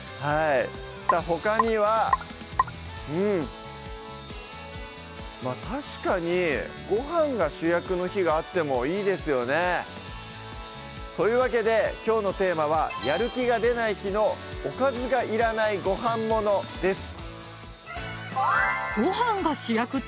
さぁほかにはうん確かにごはんが主役の日があってもいいですよねというわけできょうのテーマはやる気が出ない日の「おかずがいらないご飯もの」です